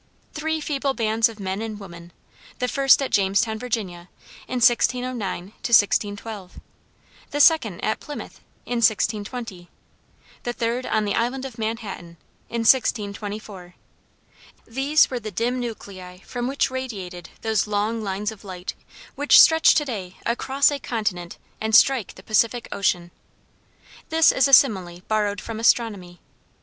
Three feeble bands of men and women; the first at Jamestown, Virginia, in 1609 1612; the second at Plymouth, in 1620; the third on the Island of Manhattan, in 1624; these were the dim nuclei from which radiated those long lines of light which stretch to day across a continent and strike the Pacific ocean. This is a simile borrowed from astronomy.